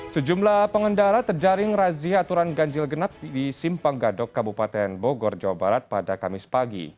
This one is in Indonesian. sejumlah pengendara terjaring razia aturan ganjil genap di simpang gadok kabupaten bogor jawa barat pada kamis pagi